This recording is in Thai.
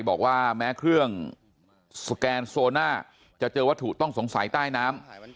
บอกว่าแม้เครื่องสแกนโซน่าจะเจอวัตถุต้องสงสัยใต้น้ำ